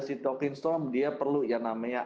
sitokin stom dia perlu yang namanya